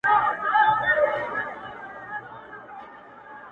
سترگي چي زړه، زړه چي سترگي ـ سترگي سو هغې ته خو،